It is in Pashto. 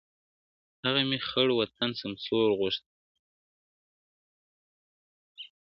هغه مي خړ وطن سمسور غوښتی-